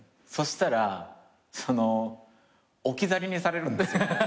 そしたら置き去りにされるんですよ。